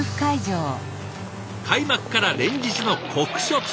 開幕から連日の酷暑続き。